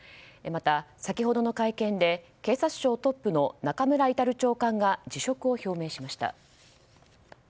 また、先ほどの会見で警察庁トップの中村格長官が辞職を表明しました。